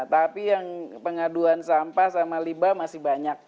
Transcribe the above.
tapi yang pengaduan sampah sama limba masih banyak